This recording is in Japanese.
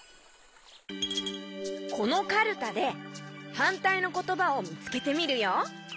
このカルタではんたいのことばをみつけてみるよ。